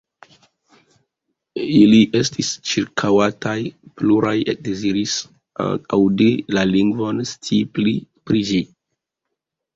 Ili estis ĉirkaŭataj, pluraj deziris aŭdi la lingvon, scii pli pri ĝi.